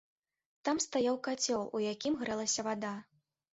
Там стаяў кацёл, у якім грэлася вада.